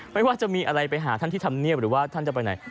ว่าจะมีอะไรไปหาท่านที่ทำเนียบหรือว่าท่านจะไปไหน